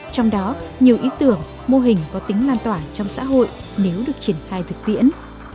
trong đó nhiều ý tưởng mô hình có tính lan tỏa trong xã hội nếu được triển khai thực tiễn